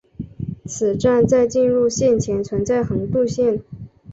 此站在进入线前存在横渡线。